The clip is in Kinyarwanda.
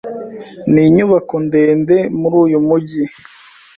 Ninyubako ndende muri uyu mujyi.